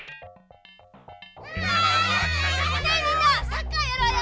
ねえみんなサッカーやろうよ！